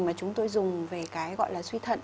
mà chúng tôi dùng về cái gọi là suy thận